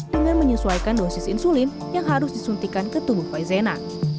dengan menyesuaikan dosis insulin yang harus disuntikan ke tubuh faizena